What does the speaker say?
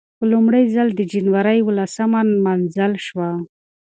په لومړي ځل د جنورۍ یولسمه نمانځل شوه.